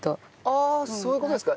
ああそういう事ですか。